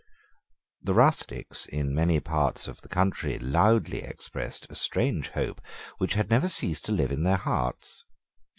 The rustics in many parts of the country loudly expressed a strange hope which had never ceased to live in their hearts.